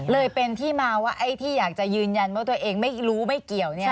เลยเป็นที่มาว่าไอ้ที่อยากจะยืนยันว่าตัวเองไม่รู้ไม่เกี่ยว